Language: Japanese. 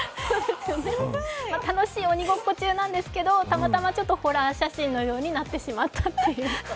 楽しい鬼ごっこ中なんですけれども、たまたまちょっとホラー写真のようになってしまったという。